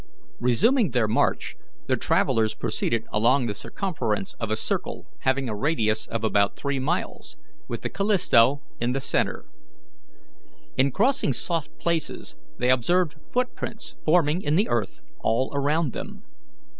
Resuming their march, the travellers proceeded along the circumference of a circle having a radius of about three miles, with the Callisto in the centre. In crossing soft places they observed foot prints forming in the earth all around them.